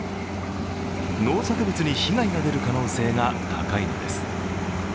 農作物に被害が出る可能性が高いのです。